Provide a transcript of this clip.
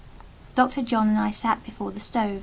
Dr. John and I sat before the stove.